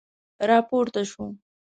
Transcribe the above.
را پورته شو.